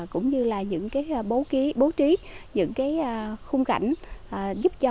cũng như là những cái bố trí những cái khung cảnh